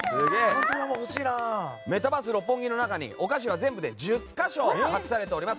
メタバース六本木の中にお菓子は全部で１０か所隠されています。